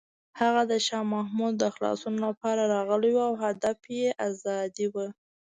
هغه د شاه محمود د خلاصون لپاره راغلی و او هدف یې ازادي وه.